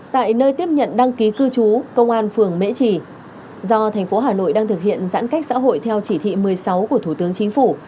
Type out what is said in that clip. tại nơi tiếp nhận đăng ký cư trú công an phường mễ trì do thành phố hà nội đang thực hiện giãn cách xã hội theo chỉ thị một mươi sáu của thủ tướng chính phủ